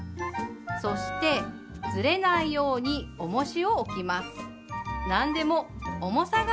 そしてずれないようにおもしを置きます。